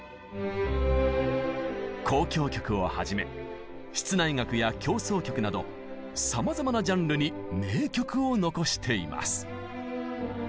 交響曲をはじめ室内楽や協奏曲などさまざまなジャンルに名曲を残しています。